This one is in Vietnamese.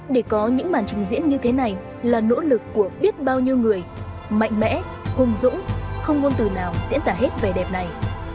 để có những màn trình diễn như thế này là nỗ lực của biết bao nhiêu người mạnh mẽ hùng dũng không ngôn từ nào diễn tả hết vẻ đẹp này